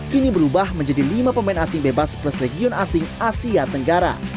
kini berubah menjadi lima pemain asing bebas plus legion asing asia tenggara